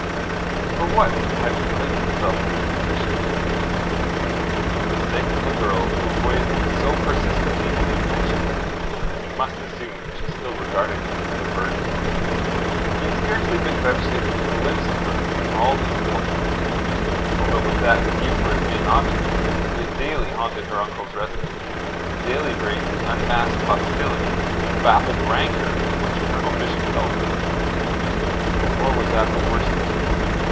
And for what had he placed himself in this position? For the sake of a girl who avoided him so persistently and intentionally that he must assume that she still regarded him with aversion. He had scarcely been vouchsafed a glimpse of her in all this fortnight, although with that in view for his main object he had daily haunted her uncle's residence, and daily braved the unmasked hostility and baffled rancour in which Colonel Bishop held him. Nor was that the worst of it.